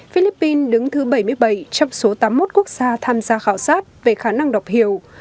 philippines đứng thứ bảy mươi bảy trong số tám mươi một quốc gia tham gia khảo sát về khả năng đọc hiểu